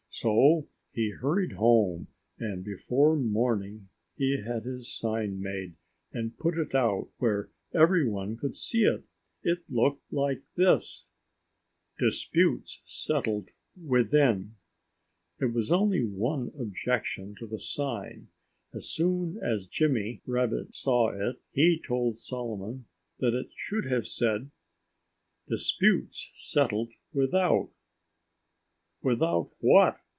So he hurried home and before morning he had his sign made, and put out where everyone could see it. It looked like this: DISPUTES SETTLED WITHIN There was only one objection to the sign. As soon as Jimmy Rabbit saw it he told Solomon that it should have said: DISPUTES SETTLED WITHOUT "Without what?"